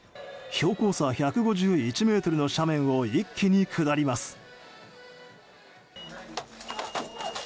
標高差１５１ｍの斜面を一気に下ります。